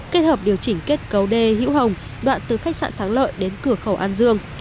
kết hợp điều chỉnh kết cấu đê hữu hồng đoạn từ khách sạn thắng lợi đến cửa khẩu an dương